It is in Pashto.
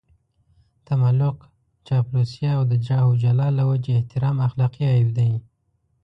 تملق، چاپلوسي او د جاه و جلال له وجهې احترام اخلاقي عيب دی.